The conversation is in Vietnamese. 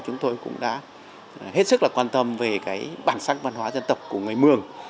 chúng tôi cũng đã hết sức là quan tâm về cái bản sắc văn hóa dân tộc của người mường